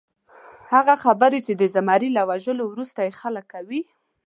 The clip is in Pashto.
هغه خبرې چې د زمري له وژلو وروسته یې خلک کوي.